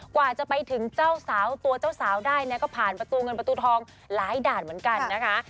กว่าจะไปถึงเจ้าสาวตัวเจ้าสาวได้นะก็ผ่านประตูเงินประตูทองหลายด่านเหมือนกันนะคะ